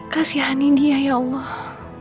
kasihani dia ya allah